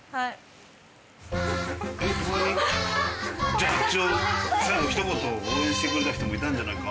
じゃあ一応最後一言応援してくれた人もいたんじゃないか？